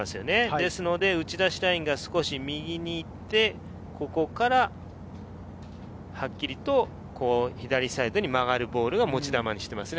ですので、打ち出しラインが少し右に行って、ここからはっきりと左サイドに曲がるボールが持ち球にしていますね。